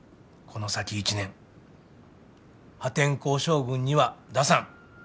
この先一年「破天荒将軍」には出さん。